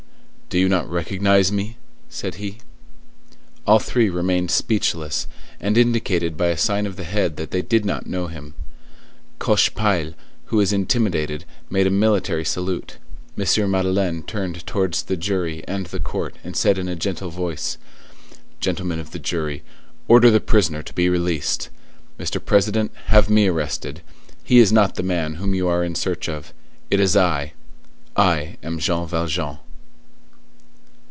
"Do you not recognize me?" said he. All three remained speechless, and indicated by a sign of the head that they did not know him. Cochepaille, who was intimidated, made a military salute. M. Madeleine turned towards the jury and the court, and said in a gentle voice:— "Gentlemen of the jury, order the prisoner to be released! Mr. President, have me arrested. He is not the man whom you are in search of; it is I: I am Jean Valjean."